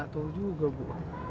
tau juga bu